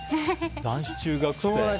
男子中学生。